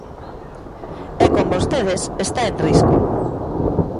E con vostedes está en risco.